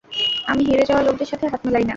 আমি হেরে যাওয়া লোকদের সাথে, হাত মেলাই না।